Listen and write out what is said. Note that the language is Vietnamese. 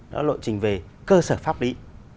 đó là lộ trình về cơ sở pháp lý